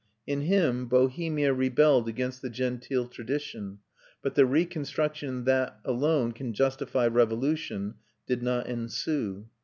In him Bohemia rebelled against the genteel tradition; but the reconstruction that alone can justify revolution did not ensue.